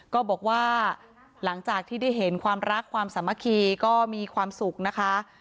ก็บอกว่าหลังจากที่ได้เห็นความรักความสามัคคีก็มีความสุขนะคะ